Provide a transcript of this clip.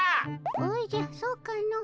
おじゃそうかの。